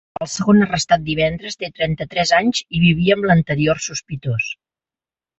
El segon arrestat divendres té trenta-tres anys i vivia amb l’anterior sospitós.